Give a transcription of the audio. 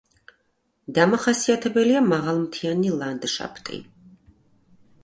დამახასიათებელია მაღალმთიანი ლანდშაფტი.